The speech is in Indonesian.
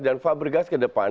dan fabregas ke depan